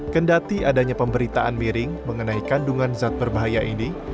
kendati adanya pemberitaan miring mengenai kandungan zat berbahaya ini